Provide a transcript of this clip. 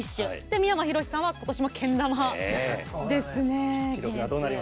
三山ひろしさんは今年も、けん玉ですね。